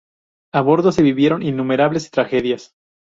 A bordo se vivieron innumerables tragedias.